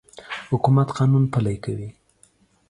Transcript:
حکومت قانون پلی کوي.